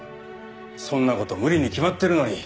そんな事無理に決まってるのに。